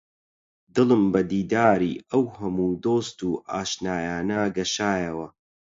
دڵم بە دیداری ئەو هەموو دۆست و ئاشنایانە گەشایەوە